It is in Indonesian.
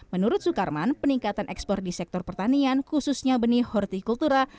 menurut sukarman peningkatan ekspor di sektor pertanian khususnya benih hortikultura